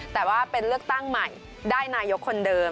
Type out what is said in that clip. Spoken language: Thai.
แต่ว่าเป็นเลือกตั้งใหม่ได้นายกคนเดิม